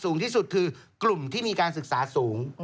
สูงที่สุดคือกลุ่มที่มีการศึกษาสูง